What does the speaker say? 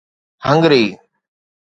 Hungary